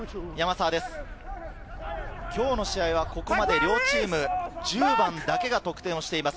今日の試合はここまで両チーム、１０番だけが得点をしています。